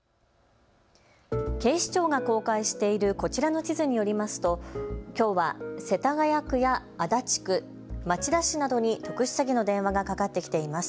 警視庁が公開しているこちらの地図によりますときょうは世田谷区や足立区、町田市などに特殊詐欺の電話がかかってきています。